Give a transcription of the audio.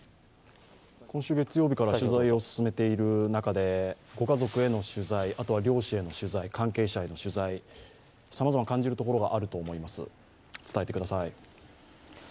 今週月曜日から取材を進めている中で、ご家族への取材、漁師への取材、関係者への取材、さまざま感じるところがあると思います、伝えてください。